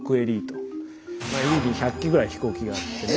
家に１００機ぐらい飛行機があってね。